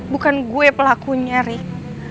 bukan gue pelakunya rik